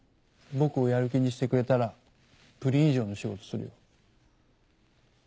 僕をやる気にしてくれたらプリン以上の仕事するよ。